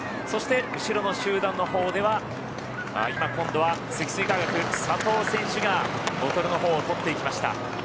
そして、後ろの集団のほうでは今度は積水化学佐藤選手がボトルのほうを取っていきました。